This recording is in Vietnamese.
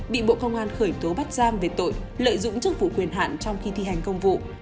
bị bộ công an khởi tố bắt giam về tội lợi dụng chức vụ quyền hạn trong khi thi hành công vụ